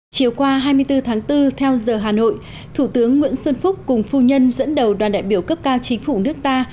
chiều qua hai mươi bốn tháng bốn theo giờ hà nội thủ tướng nguyễn xuân phúc cùng phu nhân dẫn đầu đoàn đại biểu cấp cao chính phủ nước ta